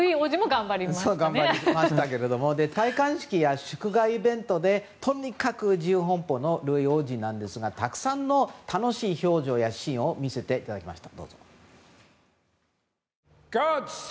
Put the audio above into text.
頑張りましたけれども戴冠式や祝賀イベントでとにかく自由奔放のルイ王子なんですがたくさんの楽しい表情やシーンを見せていただきました。